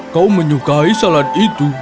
kau menyukai salad itu